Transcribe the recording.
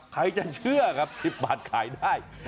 ใครจะเชื่อครับ๑๐บาทขายได้